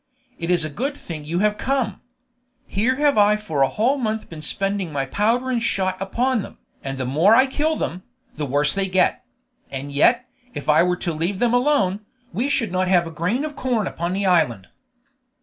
It is a good thing you have come. Here have I for a whole month been spending my powder and shot upon them, and the more I kill them, the worse they get; and yet, if I were to leave them alone, we should not have a grain of corn upon the island."